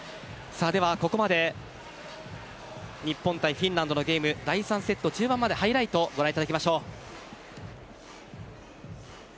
ここまで日本対フィンランドのゲーム第３セット中盤までハイライトをご覧いただきましょう。